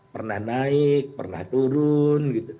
pernah naik pernah turun